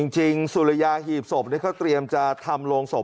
จริงสุริยาหีบศพนี่ก็เตรียมจะทำลงศพ